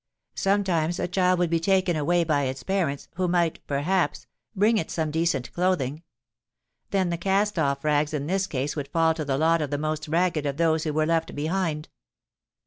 Sometimes a child would be taken away by its parents, who might, perhaps, bring it some decent clothing: then the cast off rags in this case would fall to the lot of the most ragged of those who were left behind.